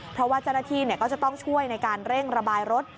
เพราะว่าเจ้าหน้าที่ก็จะต้องช่วยในการเร่งระบายรถ